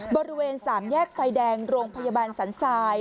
บริเวณสามแยกไฟแดงโรงพยาบาลสันทราย